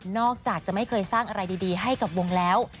อกจากจะไม่เคยสร้างอะไรดีให้กับวงแล้ว